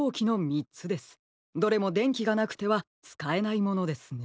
どれもでんきがなくてはつかえないものですね。